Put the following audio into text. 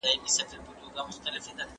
زه کولای سم ښوونځی ته ولاړ سم؟!